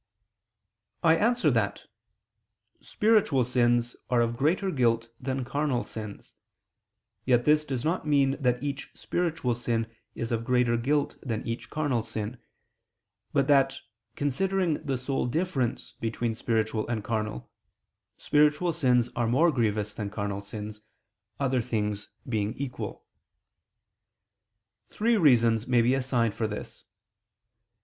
I answer that, Spiritual sins are of greater guilt than carnal sins: yet this does not mean that each spiritual sin is of greater guilt than each carnal sin; but that, considering the sole difference between spiritual and carnal, spiritual sins are more grievous than carnal sins, other things being equal. Three reasons may be assigned for this.